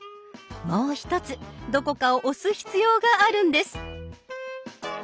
もう一つどこかを押す必要があるんです。